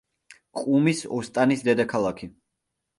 ყუმის ოსტანის დედაქალაქი.